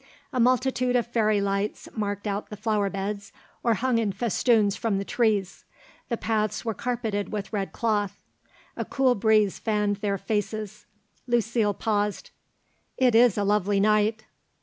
A multitude of fairy lights marked out the flower beds or hung in festoons from the trees. The paths were carpeted with red cloth; a cool breeze fanned their faces. Lucile paused. "It is a lovely night."